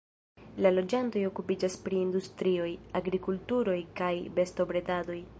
La loĝantoj okupiĝas pri industrioj, agrikulturoj kaj bestobredadoj.